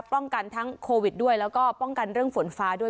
ป้องกันทั้งโควิดด้วยแล้วก็ป้องกันเรื่องฝนฟ้าด้วย